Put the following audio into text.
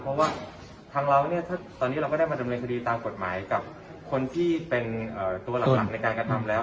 เพราะว่าทางเราเนี่ยถ้าตอนนี้เราก็ได้มาดำเนินคดีตามกฎหมายกับคนที่เป็นตัวหลักในการกระทำแล้ว